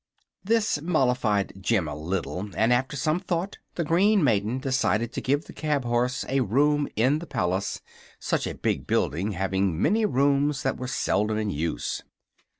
This mollified Jim a little, and after some thought the green maiden decided to give the cab horse a room in the palace, such a big building having many rooms that were seldom in use.